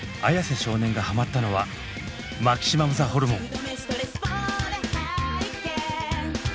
少年がハマったのはマキシマムザホルモン。